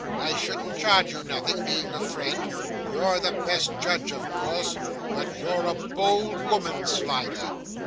I shouldn't charge you nothing, being a friend. You're the best judge of course. But you're a bold woman, Slider.